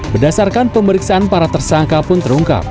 berdasarkan pemeriksaan para tersangka pun terungkap